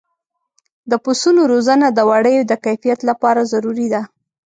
د پسونو روزنه د وړیو د کیفیت لپاره ضروري ده.